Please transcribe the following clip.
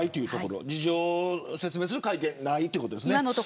事情を説明する会見もないということですね。